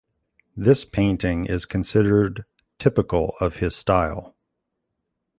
This painting is considered typical of his style.